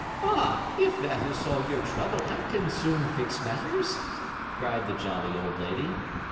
"Ha! If that is all your trouble I can soon fix matters!" cried the jolly old lady.